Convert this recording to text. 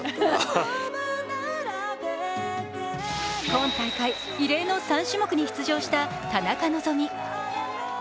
今大会、異例の３種目に出場した田中希実。